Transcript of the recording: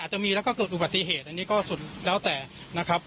จะมีแล้วก็เกิดอุบัติเหตุอันนี้ก็สุดแล้วแต่นะครับ